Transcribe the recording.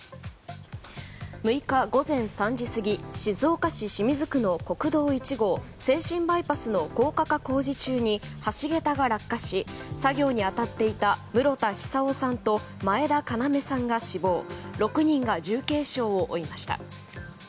６日午前３時過ぎ静岡市清水区の国道１号静清バイパスの高架化工事中に橋げたが落下し作業に当たっていた室田久生さんと前田要さんが死亡６人が重軽傷を負いました。